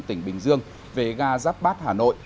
tỉnh bình dương về ga giáp bát hà nội